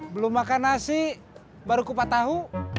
belum makan nasi baru kupat tahu